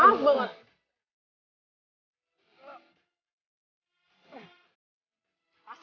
iya pak maaf ya pak maaf banget